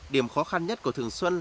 điểm khó khăn nhất của thường xuân